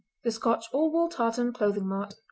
"The Scotch All Wool Tartan Clothing Mart.